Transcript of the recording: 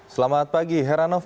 selamat pagi heranov